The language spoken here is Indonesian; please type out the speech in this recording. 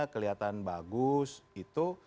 kelihatan bagus itu